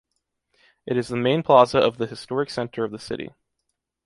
It is the main plaza of the historic center of the city.